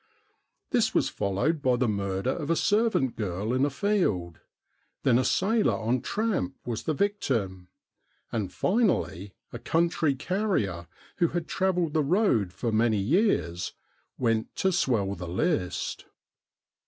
This was followed by the murder of a servant girl in a field ; then a sailor on tramp was the victim ; and finally, a country carrier who had travelled the road for many years went to swell the list.